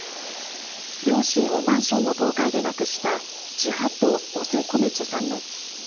両親をマンションの倒壊で亡くしたジハト・オズコメチさんです。